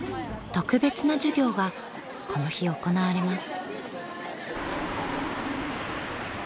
特別な授業がこの日行われます。